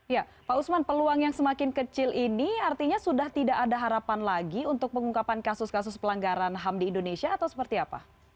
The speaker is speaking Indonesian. ya pak usman peluang yang semakin kecil ini artinya sudah tidak ada harapan lagi untuk pengungkapan kasus kasus pelanggaran ham di indonesia atau seperti apa